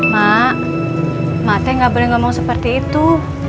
mak mate gak boleh ngomong seperti itu